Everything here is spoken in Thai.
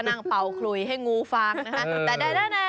ว่านั่งเป่าคลุยให้งูฟังนะคะ